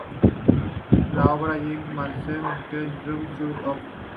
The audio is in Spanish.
La obra de Yngwie Malmsteen "Icarus Dream Suite Op.